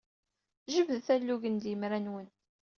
Jebdet-d alugen ed yemra-nwen.